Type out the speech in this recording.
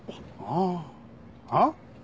あぁあ？あっ。